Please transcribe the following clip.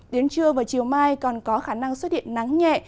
đến trưa và chiều mai còn có khả năng xuất hiện nắng nhẹ